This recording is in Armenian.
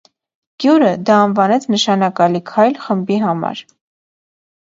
Կյուրը դա անվանեց նշանակալի քայլ խմբի համար։